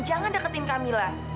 jangan deketin kamila